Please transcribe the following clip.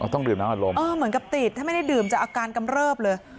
ต้องดื่มน้ำอารมณ์เหมือนกับติดถ้าไม่ได้ดื่มจะอาการกำเริบเลย